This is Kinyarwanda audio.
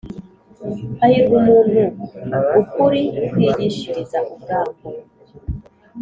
Hahirwa umuntu ukuri kwigishiriza ubwako